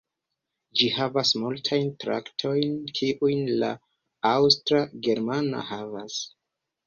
Ĝi havas multajn trajtojn, kiujn la Aŭstra-germana havas.